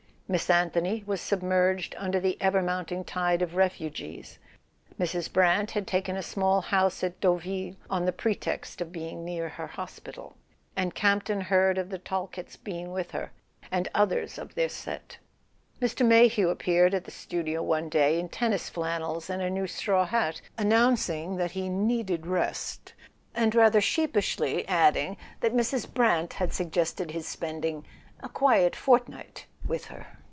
Miss Anthony was submerged under the ever mounting tide of refugees. Mrs. Brant had taken a small house at Deauville (on the pretext of being near her hospital), and Campton heard of the Talketts' being with her, and others of their set. Mr. Mayhew appeared at the studio one day, in tennis flannels and a new straw hat, announcing that he "needed rest," and rather sheepishly adding that Mrs. Brant had suggested his spending "a quiet fortnight" with her.